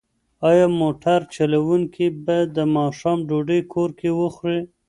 ایا موټر چلونکی به د ماښام ډوډۍ کور کې وخوري؟